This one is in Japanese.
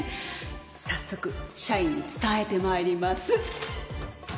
早速社員に伝えて参ります。